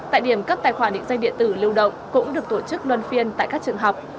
tại điểm cấp tài khoản định danh điện tử lưu động cũng được tổ chức luân phiên tại các trường học